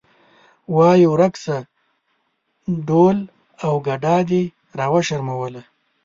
وایې ورک شه ډول او ګډا دې راوشرموله.